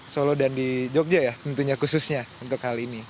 solo dan di jogja ya tentunya khususnya untuk hal ini